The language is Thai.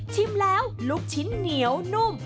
ชิมแล้วลูกชิ้นเหนียวนุ่ม